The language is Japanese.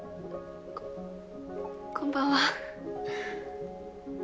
こんばんは。